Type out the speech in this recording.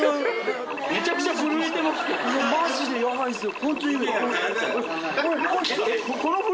マジでヤバいんすよ。